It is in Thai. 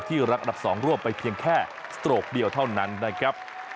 รักอันดับ๒ร่วมไปเพียงแค่สโตรกเดียวเท่านั้นนะครับ